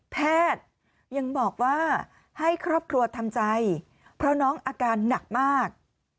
แพทย์ยังบอกว่าให้ครอบครัวทำใจเพราะน้องอาการหนักมาก